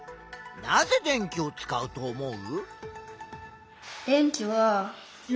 なぜ電気を使うと思う？